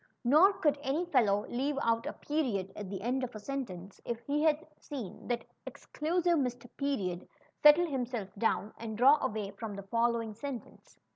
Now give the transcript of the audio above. Nor could any fellow leave out a period at the end of a sentence, if he had seen that exclusive Mr. Period settle himself down and draw away from the following sentence.